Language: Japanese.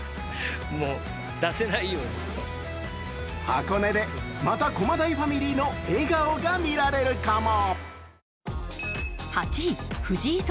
箱根でまた駒大ファミリーの笑顔が見られるかも。